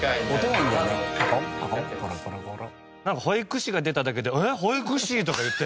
なんか保育士が出ただけで「えっ保育士？」とか言って。